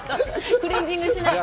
クレンジングしないと？